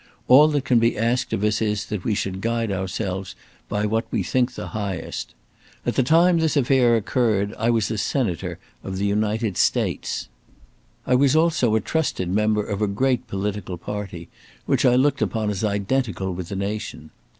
All that can be asked of us is that we should guide ourselves by what we think the highest. At the time this affair occurred, I was a Senator of the United States. I was also a trusted member of a great political party which I looked upon as identical with the nation.